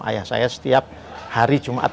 ayah saya setiap hari jumat